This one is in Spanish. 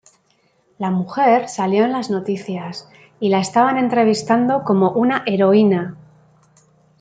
La mujer salió en las noticias y la estaban entrevistando como una heroína.